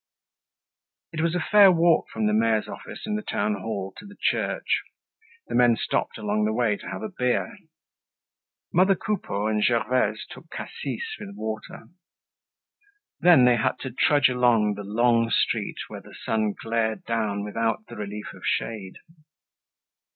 It was a fair walk from the mayor's office in the town hall to the church. The men stopped along the way to have a beer. Mother Coupeau and Gervaise took cassis with water. Then they had to trudge along the long street where the sun glared straight down without the relief of shade.